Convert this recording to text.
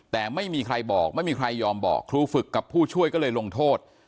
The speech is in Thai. แต่ไม่มีใครบอกไม่มีใครยอมบอกครูฝึกกับผู้ช่วยก็เลยลงโทษ